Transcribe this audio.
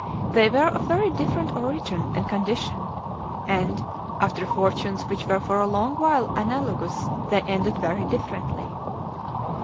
They were of very different origin and condition; and, after fortunes which were for a long while analogous, they ended very differently.